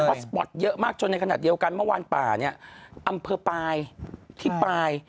เพราะสปอร์ตเยอะมากจนในขณะเดียวกันเมื่อวานป่าเนี่ยอำเภอปลายที่ปลาย